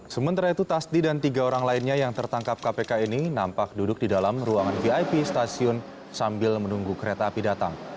sementara itu tasdi dan tiga orang lainnya yang tertangkap kpk ini nampak duduk di dalam ruangan vip stasiun sambil menunggu kereta api datang